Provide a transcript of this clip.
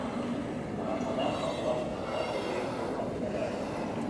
Arratsaldean fronte bat sartuko da eta euria egingo du astelehenera arte.